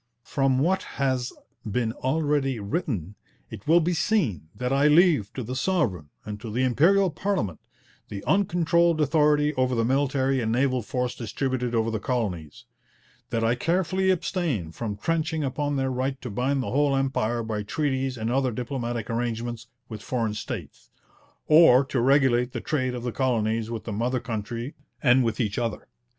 'From what has been already written, it will be seen that I leave to the Sovereign and to the Imperial Parliament the uncontrolled authority over the military and naval force distributed over the colonies; that I carefully abstain from trenching upon their right to bind the whole empire by treaties and other diplomatic arrangements with foreign states; or to regulate the trade of the colonies with the mother country and with each other.